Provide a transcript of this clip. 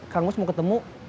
kang gus mau ketemu